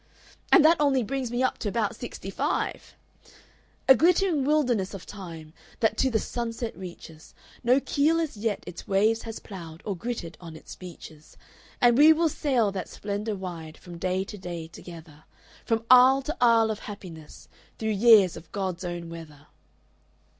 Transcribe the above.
"And that only brings me up to about sixty five! "A glittering wilderness of time That to the sunset reaches No keel as yet its waves has ploughed Or gritted on its beaches. "And we will sail that splendor wide, From day to day together, From isle to isle of happiness Through year's of God's own weather."